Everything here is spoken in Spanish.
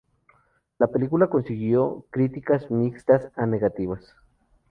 La película consiguió críticas mixtas a negativas.